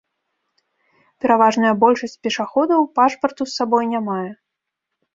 Пераважная большасць пешаходаў пашпарту з сабой не мае.